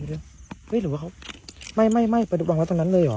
เฮ้ยหรือว่าเขาไม่ไม่ไม่ประดูกวางไว้ตรงนั้นเลยเหรอ